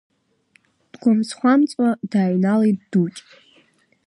Дгәамҵхамҵуа дааҩналеит Дукь.